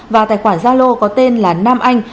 và tài khoản zalo có tên là nam anh